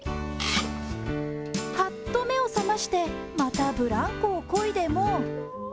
はっと目を覚まして、またブランコを漕いでも。